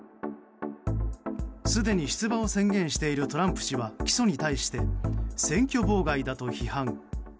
すでに出馬を宣言しているトランプ氏は起訴に対して選挙妨害だと批判。